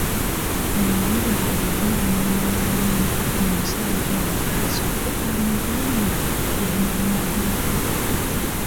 Omulubaale yali anoonya w’alimbira omusajja ono asooke amubuulire by’anaamulagulako.